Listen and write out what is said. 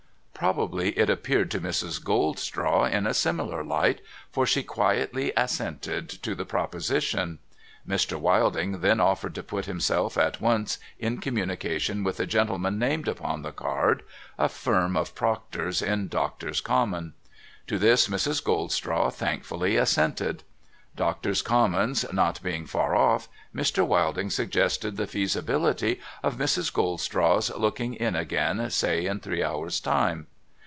Probably it appeared to Mrs. Goldstraw in a similar light, for she quietly assented to the proposition. Mr. Wilding then offered to f)Ut himself at once in communication with the gentlemen named upon the card : a firm of proctors in Doctors' Commons. To this, Mrs. Goldstraw thankfully assented. Doctors' Commons not being far off, Mr. ^^'ilding suggested the feasibility of Mrs. Goldstraw's looking in again, say in three hours' time.